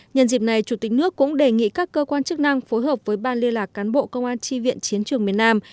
nhân dịp này chủ tịch nước cũng đề nghị các cơ quan chức năng phối hợp với ban liên lạc cán bộ công an tri viện chiến trường miền nam